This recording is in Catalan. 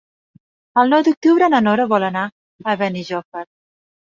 El nou d'octubre na Nora vol anar a Benijòfar.